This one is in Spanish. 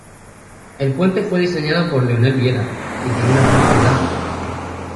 El puente fue diseñado por Leonel Viera y tiene una forma ondulante.